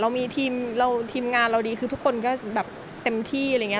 ทีมงานเราดีคือทุกคนก็แบบเต็มที่อะไรอย่างนี้